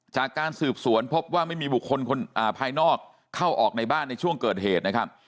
จากการสืบสวนพบว่าไม่มีบุคคลภายนอกเข้าออกในบ้านในช่วงเกิดเหตุนะครับ